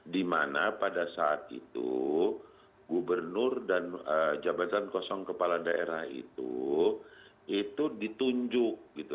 dimana pada saat itu gubernur dan jabatan kosong kepala daerah itu itu ditunjuk gitu